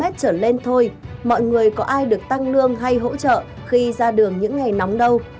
tết trở lên thôi mọi người có ai được tăng lương hay hỗ trợ khi ra đường những ngày nóng đâu